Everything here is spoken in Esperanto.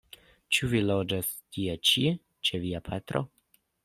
Ĉu vi logas tie ĉi ĉe via patro?